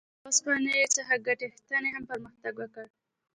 له اوسپنې څخه ګټې اخیستنې هم پرمختګ وکړ.